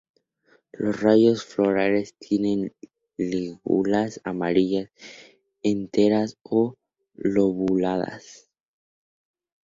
Los rayos florales tienen lígulas amarillas, enteras o lobuladas.